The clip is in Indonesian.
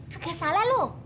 gak salah lu